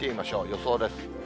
予想です。